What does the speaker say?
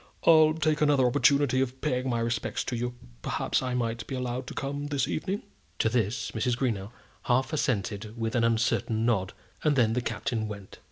"I'll take another opportunity of paying my respects to you. Perhaps I might be allowed to come this evening?" To this Mrs. Greenow half assented with an uncertain nod, and then the Captain went.